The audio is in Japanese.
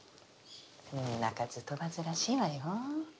でも鳴かず飛ばずらしいわよ。